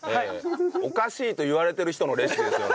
「おかしい」と言われてる人のレシピですよね。